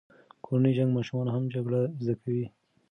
کورنی جنګ ماشومان هم جګړه زده کوي.